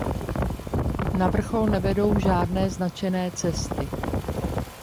Na vrchol nevedou žádné značené cesty.